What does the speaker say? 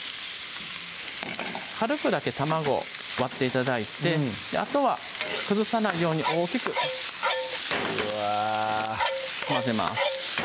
軽くだけ卵を割って頂いてあとは崩さないように大きくうわ混ぜます